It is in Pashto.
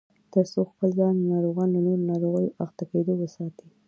ترڅو خپل ځان او ناروغان له نورو ناروغیو له اخته کېدو وساتي